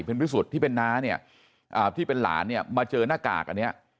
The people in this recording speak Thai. เป็นพิสุทธิ์ที่เป็นน้าเนี่ยอ่าที่เป็นหลานเนี่ยมาเจอหน้ากากอันเนี้ย